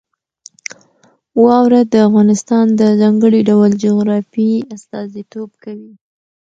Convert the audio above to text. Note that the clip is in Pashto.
واوره د افغانستان د ځانګړي ډول جغرافیې استازیتوب کوي.